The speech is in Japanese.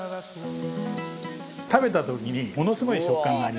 食べた時にものすごい食感がありますので。